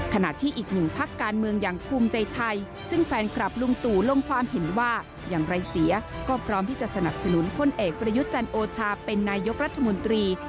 ขณะที่อีกหนึ่งพักการเมืองอย่างภูมิใจไทยซึ่งแฟนคลับลุงตู่ลงความเห็นว่าอย่างไรเสียก็พร้อมที่จะสนับสนุนพลเอกประยุทธ์จันโอชาเป็นนายกรัฐมนตรี